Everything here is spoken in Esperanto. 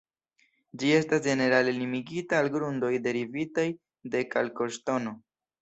Ĝi estas ĝenerale limigita al grundoj derivitaj de kalkoŝtono.